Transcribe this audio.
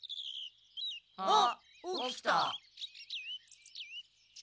あっ起きた。